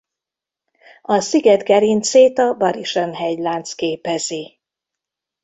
A sziget gerincét a Barisan-hegylánc képezi.